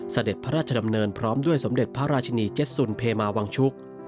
เสด็จพระราชดำเนินพร้อมด้วยสมเด็จพระราชินีเจ็ดสุนเพมาวังชุก